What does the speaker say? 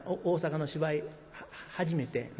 大坂の芝居初めて？